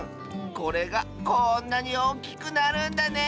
これがこんなにおおきくなるんだね！